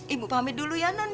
ibu pamit dulu ya non ya